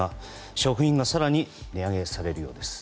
食品が更に値上げされるようです。